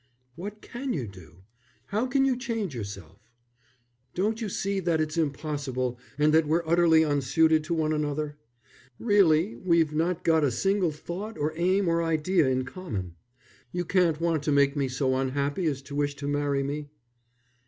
"What can you do? How can you change yourself? Don't you see that it's impossible, and that we're utterly unsuited to one another? Really we've not got a single thought or aim or idea in common. You can't want to make me so unhappy as to wish to marry me."